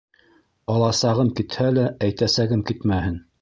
Аласағым китһә лә, әйтәсәгем китмәһен.